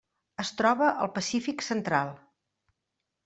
Es troba al Pacífic central: